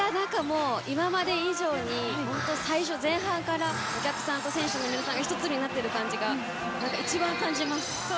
今まで以上に最初、前半からお客さんと選手の皆さんが１つになっている感じを一番、感じます。